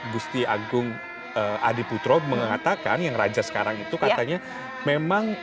gusti agung adiputro mengatakan yang raja sekarang itu katanya memang